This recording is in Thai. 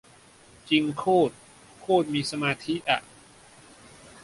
จริงโคตร โคตรมีสมาธิอ่ะ